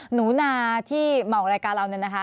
หนูนาที่เหมาออกรายการเราเนี่ยนะคะ